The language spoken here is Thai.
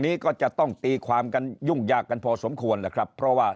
นี้ก็จะต้องตีความกันยุ่งยากกันพอสมควรแหละครับเพราะว่า